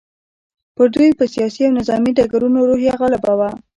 پر دوی په سیاسي او نظامي ډګرونو روحیه غالبه وه.